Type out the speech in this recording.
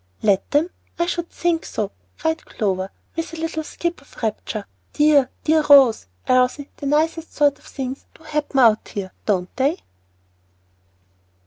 "Let them! I should think so," cried Clover, with a little skip of rapture. "Dear, dear Rose! Elsie, the nicest sort of things do happen out here, don't they?"